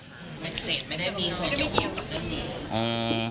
ไม่เจดไม่ได้มีส่วนโยคไม่ได้มีเยี่ยมกับเรื่องนี้